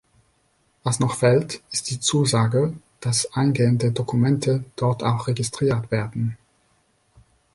Was noch fehlt, ist die Zusage, dass eingehende Dokumente dort auch registriert werden.